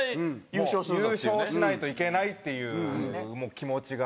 優勝しないといけないっていう気持ちが。